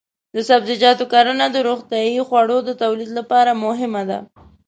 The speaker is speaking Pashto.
د سبزیجاتو کرنه د روغتیايي خوړو د تولید لپاره مهمه ده.